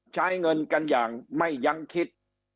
ใช้เงินกันอย่างไม่ยั้งคิด